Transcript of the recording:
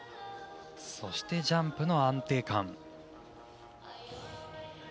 そしてジャンプの安定感。